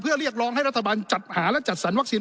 เพื่อเรียกร้องให้รัฐบาลจัดหาและจัดสรรวัคซีน